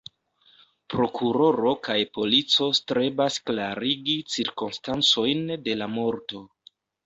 Prokuroro kaj polico strebas klarigi cirkonstancojn de la morto.